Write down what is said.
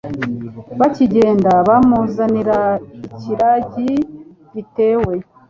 Bakigenda bamuzanira ikiragi gitewe